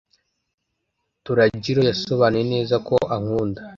Torajiro yasobanuye neza ko ankunda.